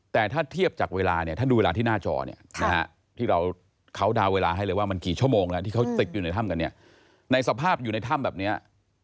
แต่ถ้าเทียบจากเวลาเนี่ย